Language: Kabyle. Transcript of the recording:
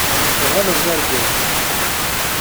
Tuɣaleḍ d argaz!